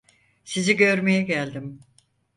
Sizi görmeye geldim.